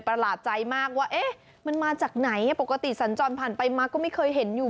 ประหลาดใจมากว่ามันมาจากไหนปกติสัญจรผ่านไปมาก็ไม่เคยเห็นอยู่